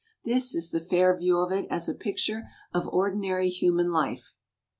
This is the fair view of it as a picture of ordinary human life.